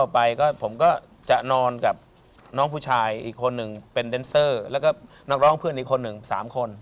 ไปก็ผมก็จะนอนกับน้องผู้ชายอีกคนหนึ่งเป็นเดนเซอร์แล้วก็นักร้องเพื่อนอีกคนหนึ่ง๓คน